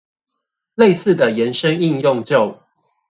類似的延伸應用就